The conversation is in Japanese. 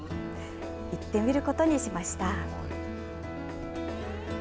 行ってみることにしました。